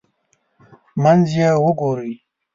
منځ یې وګورئ.